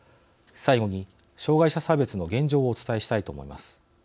最後に障害者差別の現状をお伝えしたいと思います。